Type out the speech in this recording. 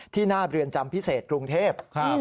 หน้าเรือนจำพิเศษกรุงเทพ